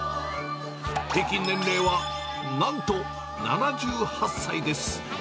平均年齢はなんと７８歳です。